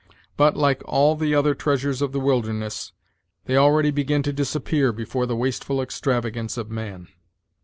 But, like all the other treasures of the wilderness, they already begin to disappear before the wasteful extravagance of man."